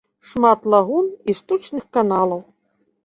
Шмат лагун і штучных каналаў.